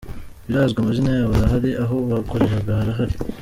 Birazwi amazina yabo arahari, aho bakoraga harahari.